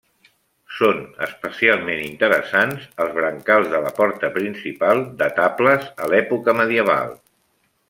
Són especialment interessants els brancals de la porta principal, datables a l'època medieval.